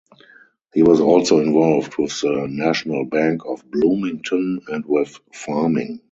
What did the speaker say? He was also involved with the National Bank of Bloomington and with farming.